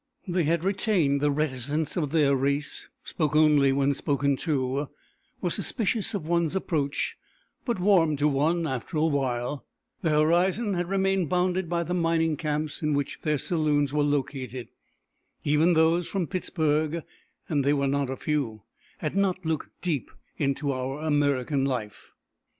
They had retained the reticence of their race, spoke only when spoken to, were suspicious of one's approach, but warmed to one after a while Their horizon had remained bounded by the mining camps in which their saloons were located; even those from Pittsburg, and they were not a few, had not looked deep into our American life.